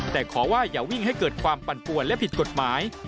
แต่ขอว่าอย่าวิ่งให้เกิดความปั่นปวนและผิดกฎหมาย